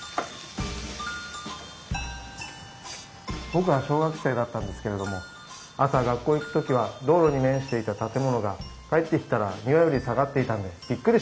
僕は小学生だったんですけれども朝学校行く時は道路に面していた建物が帰ってきたら庭より下がっていたんでびっくりしたんですよ。